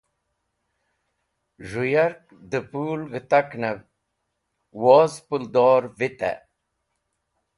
Z̃hũ yark dẽ pũl g̃hetaknẽb wuz pũldor vitẽ.